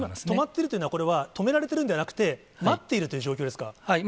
今、止まっているというのは、止められているんではなくて、待っているという状況ですか？